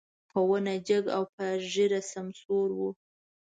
په ونه جګ او په ږيره سمسور و.